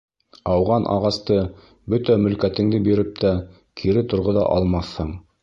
— Ауған ағасты, бөтә мөлкәтеңде биреп тә, кире торғоҙа алмаҫһың.